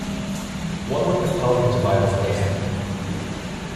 What would compel you to buy this bracelet?